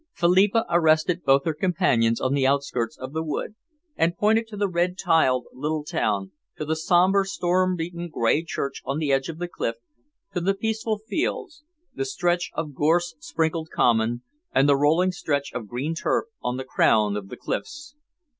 Philippa arrested both her companions on the outskirts of the wood, and pointed to the red tiled little town, to the sombre, storm beaten grey church on the edge of the cliff, to the peaceful fields, the stretch of gorse sprinkled common, and the rolling stretch of green turf on the crown of the cliffs.